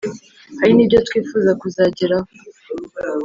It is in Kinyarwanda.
hari nibyo twifuza kuzageraho